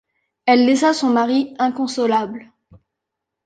Elle laissa son mari inconsolable.